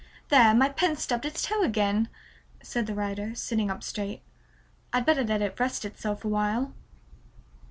"There, my pen's stubbed its toe again," said the writer, sitting up straight. "I'd better let it rest itself a while."